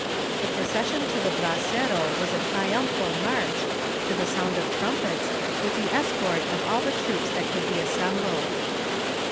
The procession to the brasero was a triumphal march, to the sound of trumpets, with the escort of all the troops that could be assembled.